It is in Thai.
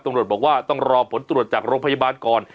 ตำรวจบอกว่าต้องรอผลตรวจจากโรงพยาบาลก่อน